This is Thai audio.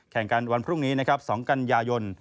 แข่งกันวันพรุ่งนี้นะครับ๒กันยายน